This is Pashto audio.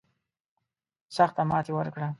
سخته ماته ورکړه.